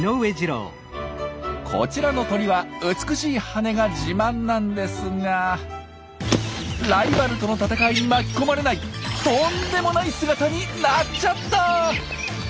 こちらの鳥は美しい羽が自慢なんですがライバルとの戦いに巻き込まれないとんでもない姿になっちゃった！